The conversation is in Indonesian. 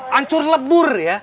hancur dan lebur ya